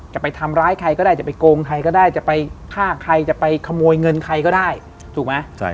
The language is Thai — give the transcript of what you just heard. จะไปทำร้ายใครก็ได้จะไปโกงใครก็ได้จะไปฆ่าใครจะไปขโมยเงินใครก็ได้ถูกไหม